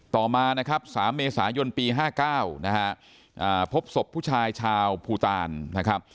ต่อมานะครับ๓เมษายนปี๕๙นะฮะพบศพผู้ชายชาวภูตานนะครับ